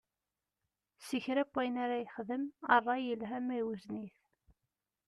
Si kra n wayen ara yexdem, ṛṛay, yelha ma iwzen-it.